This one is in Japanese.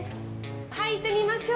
入ってみましょう。